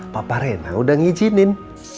papa rena udah ngijinin